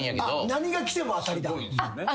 何が来ても当たりだ？あっ。